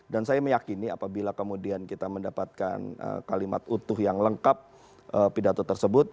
dan saya meyakini apabila kemudian kita mendapatkan kalimat utuh yang lengkap pidato tersebut